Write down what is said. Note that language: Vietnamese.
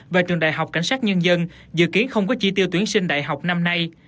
và trường đại học cảnh sát nhân dân dự kiến không có chỉ tiêu tuyển sinh đại học năm nay